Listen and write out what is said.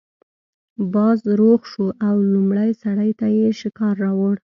باز روغ شو او لومړي سړي ته یې شکار راوړ.